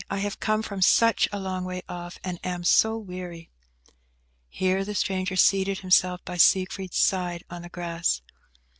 I have come from such a long way off, and am so weary." Here the stranger seated himself by Siegfried's side on the grass.